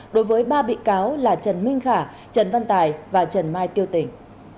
đối với ba bị cáo là trần minh khả trần văn tài và trần mai tiêu tỉnh